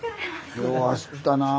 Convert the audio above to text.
よう走ったなあ。